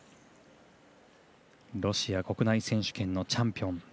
ロシア国内選手権のチャンピオン。